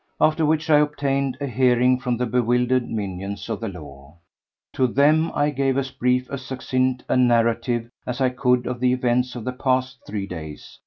After which I obtained a hearing from the bewildered minions of the law. To them I gave as brief and succinct a narrative as I could of the events of the past three days.